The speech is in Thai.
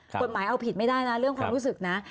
กฎหมายเอาผิดไม่ได้นะเรื่องความรู้สึกนะ